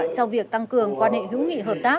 trong việc tăng cường quan hệ hữu nghị hợp tác